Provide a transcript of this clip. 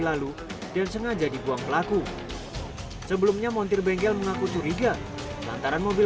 lalu dan sengaja dibuang pelaku sebelumnya montir bengkel mengaku curiga lantaran mobil